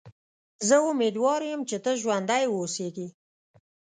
زه امیدوار یم چې ته ژوندی و اوسېږې.